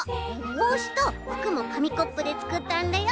ぼうしとふくもかみコップでつくったんだよ。